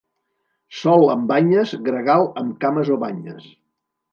Sol amb banyes, gregal amb cames o banyes.